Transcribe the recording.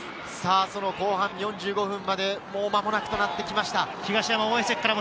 その後半４５分まで、もう間もなくとなってきました。